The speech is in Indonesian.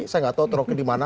saya nggak tahu rocky dimana